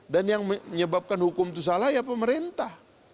dan yang menyebabkan hukum itu salah ya pemerintah